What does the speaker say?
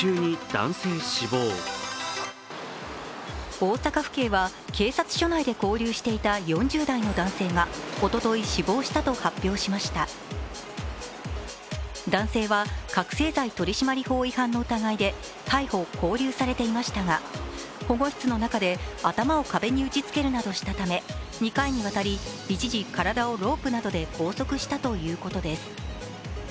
大阪府警は警察署内で勾留していた４０代の男性がおととい、死亡したと発表しました男性は覚醒剤取締法違反の疑いで逮捕・拘留されていましたが保護室の中で頭を壁に打ちつけるなどしたため、２回にわたり一時、体をロープなどで拘束したということです。